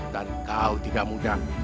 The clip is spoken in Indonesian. dan kau tidak mudah